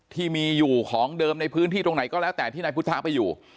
ที่มีอยู่ของเดิมในพื้นที่ตรงไหนก็แล้วแต่ที่นายพุทธะไปอยู่